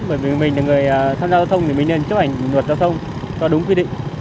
bởi vì mình là người tham gia giao thông thì mình nên chấp hành luật giao thông cho đúng quy định